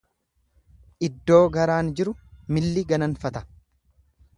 lddoo garaan jiru, milli gananfata.